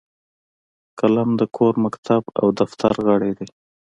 قلم د کور، مکتب او دفتر غړی دی